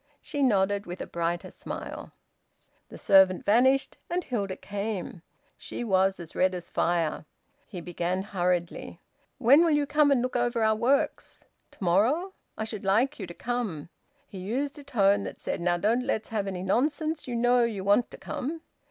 She nodded, with a brighter smile. The servant vanished, and Hilda came. She was as red as fire. He began hurriedly. "When will you come to look over our works? To morrow? I should like you to come." He used a tone that said: "Now don't let's have any nonsense! You know you want to come."